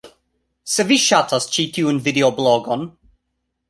Se vi ŝatas ĉi tiun videoblogon